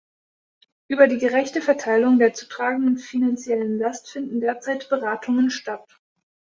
Über die gerechte Verteilung der zu tragenden finanziellen Last finden derzeit Beratungen statt.